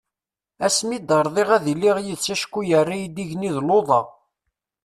Asmi i d-rḍiɣ ad iliɣ d yid-s acku yerra-iy-d igenni d luḍa.